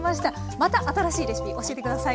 また新しいレシピ教えて下さい。